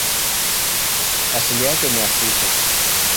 Asili yake ni Afrika.